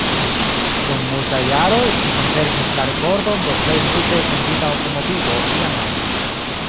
Dum multaj jaroj, ĝi konservis la rekordon de plej multe vendita aŭtomobilo iam ajn.